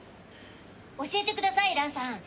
教えてください蘭さん。